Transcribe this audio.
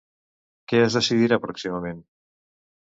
Què es decidirà pròximament?